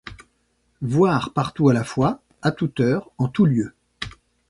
Voir, partout à la fois, à toute heure, en tous lieux